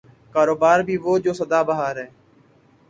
کاروبار بھی وہ جو صدا بہار ہے۔